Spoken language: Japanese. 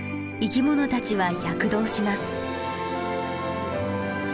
生きものたちは躍動します。